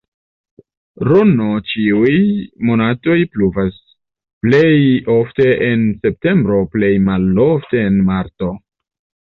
Rn ĉiuj monatoj pluvas, plej ofte en septembro, plej malofte en marto.